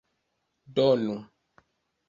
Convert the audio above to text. donu